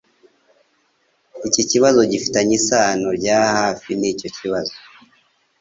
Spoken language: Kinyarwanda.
Iki kibazo gifitanye isano rya hafi nicyo kibazo.